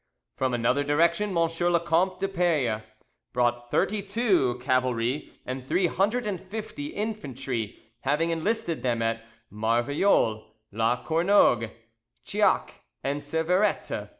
From another direction M. le Comte de Peyre brought thirty two cavalry and three hundred and fifty infantry, having enlisted them at Marvejols, La Canourgue, Chiac, and Serverette.